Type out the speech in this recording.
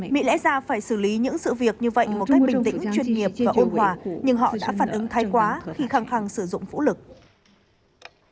mỹ lẽ ra phải xử lý những sự việc như vậy một cách bình tĩnh chuyên nghiệp và ôn hòa